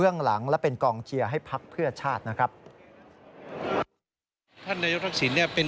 กรณีนี้ทางด้านของประธานกรกฎาได้ออกมาพูดแล้ว